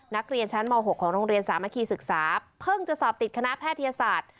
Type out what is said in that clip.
นักเรียนชั้นม๖ของโรงเรียนสามัคคีศึกษาเพิ่งจะสอบติดคณะแพทยศาสตร์